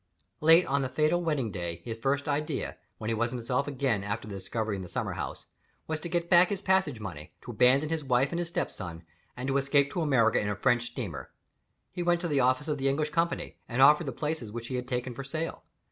Late on the fatal wedding day his first idea, when he was himself again after the discovery in the summer house, was to get back his passage money, to abandon his wife and his stepson, and to escape to America in a French steamer. He went to the office of the English company, and offered the places which he had taken for sale.